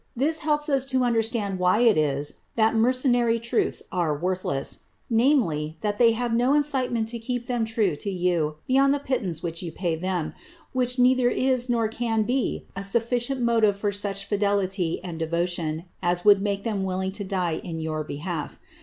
This helps us to understand why it is that mercenary troops are worthless; namely, that they have no incitement to keep them true to you beyond the pittance which you pay them, which neither is nor can be a sufficient motive for such fidelity and devotion as would make them willing to die in your behalf.